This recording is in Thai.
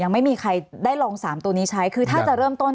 ไม่มีใครได้ลอง๓ตัวนี้ใช้คือถ้าจะเริ่มต้น